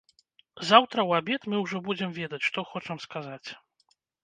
Заўтра ў абед мы ўжо будзем ведаць, што хочам сказаць.